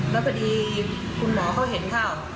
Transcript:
แล้วพอดีคุณหมอเขาเห็นข่าว